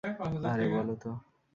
আরে বলো তো।